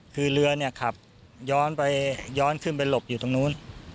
คือเรือขับย้อนขึ้นไปหลบอยู่ตรงนู้น